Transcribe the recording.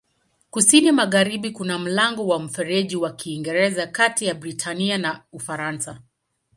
Kusini-magharibi kuna mlango wa Mfereji wa Kiingereza kati ya Britania na Ufaransa.